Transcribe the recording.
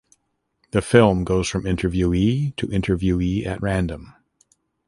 The film goes from interviewee to interviewee at random.